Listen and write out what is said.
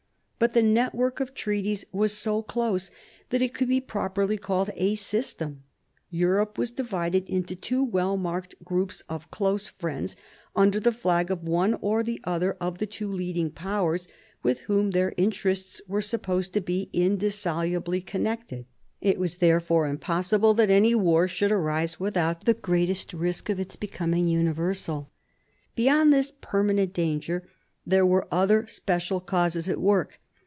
But the network of treaties was so close that it could be properly called a system; Europe was divided into two well marked groups of close friends under the flag of one or the other of the two leading Powers, with whom their interests were supposed to be indissolubly connected, It was therefore impossible that any war should arise without the greatest risk of its becoming universal. Beyond this permanent danger there were other special causes at work.